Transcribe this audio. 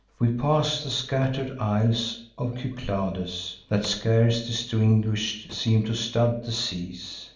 We pass the scatter'd isles of Cyclades, That, scarce distinguish'd, seem to stud the seas.